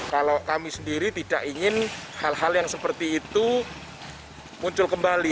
kalau kami sendiri tidak ingin hal hal yang seperti itu muncul kembali